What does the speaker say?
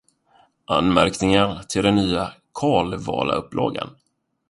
Anmärkningar till den nya Kalevala upplagan.